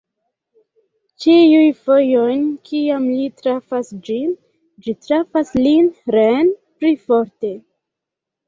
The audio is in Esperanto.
Ĉiun fojon, kiam li trafas ĝin, ĝi trafas lin reen pli forte.